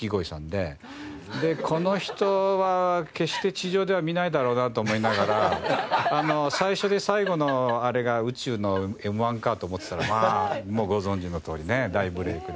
でこの人は決して地上では見ないだろうなと思いながら「最初で最後のあれが宇宙の『Ｍ−１』か」と思ってたらまあもうご存じのとおりね大ブレークで。